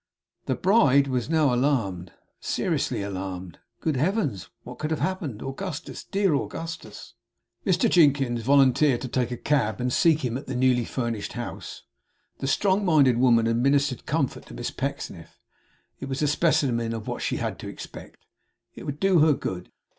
The bride was now alarmed; seriously alarmed. Good Heavens, what could have happened! Augustus! Dear Augustus! Mr Jinkins volunteered to take a cab, and seek him at the newly furnished house. The strong minded woman administered comfort to Miss Pecksniff. 'It was a specimen of what she had to expect. It would do her good.